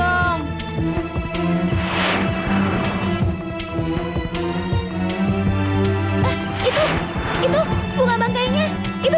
kamu geremasin ilang kalau mau melompat di jurang itu